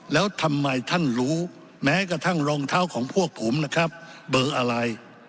แล้วทำไมท่านรู้แม้กระทั่งรองเท้าของพวกผมนะครับเบอร์อะไร